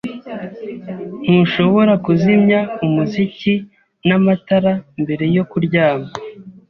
Ntushobora kuzimya umuziki n'amatara mbere yo kuryama.